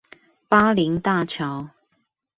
巴陵大橋